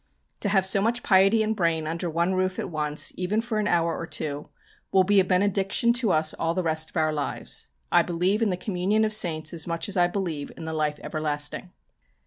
To have so much piety and brain under one roof at once, even for an hour or two, will be a benediction to us all the rest of our lives. I believe in the communion of saints as much as I believe in the life everlasting."